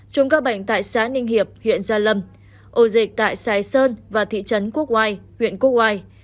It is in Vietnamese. trung các bệnh tại xã ninh hiệp huyện gia lâm ổ dịch tại sài sơn và thị trấn quốc oai huyện quốc oai